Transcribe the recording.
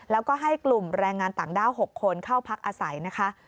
แล้วก็ให้กลุ่มแรงงานต่างด้าว๖คนเข้าพักอาศัยนะคะ